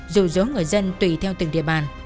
dù giống người dân tùy theo từng địa bàn